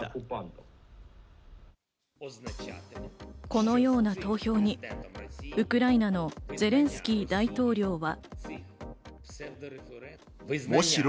このような投票にウクライナのゼレンスキー大統領は。